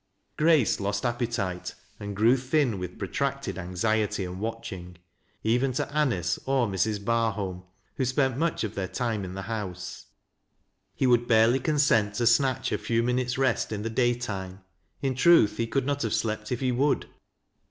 Grace lost appetite, and grew thin with protracted anxiety and watching. He would not give up his place even to Anice or Mrs. Barholm, who spent much of their time in the house. He would barely consent to snatch a few minutes' rest in the day time ; in truth, he could not have slept if he would.